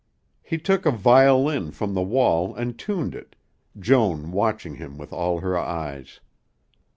He took a violin from the wall and tuned it, Joan watching him with all her eyes.